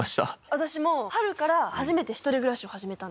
私も春から初めて１人暮らしを始めたんですよ